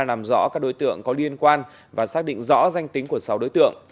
làm rõ các đối tượng có liên quan và xác định rõ danh tính của sáu đối tượng